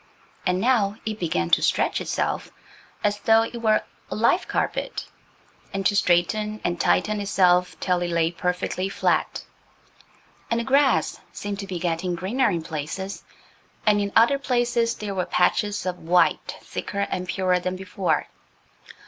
And now it began to stretch itself, as though it were a live carpet, and to straighten and tighten itself till it lay perfectly flat. And the grass seemed to be getting greener in places. And in other places there were patches of white thicker and purer than before.